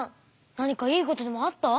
何かいいことでもあった？